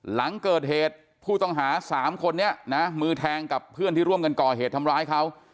หลังเกิดเหตุผู้ต้องหา๓คนนี้นะมือแทงกับเพื่อนที่ร่วมกันก่อเหตุทำร้ายเขา